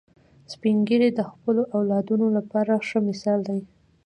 سپین ږیری د خپلو اولادونو لپاره ښه مثال دي